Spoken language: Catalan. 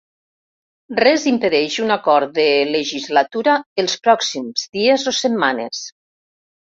Res impedeix un acord de legislatura els pròxims dies o setmanes.